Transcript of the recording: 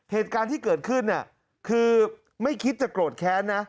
เหตุการณ์ที่เกิดขึ้นคือไม่คิดจะโกรธแค้นนะ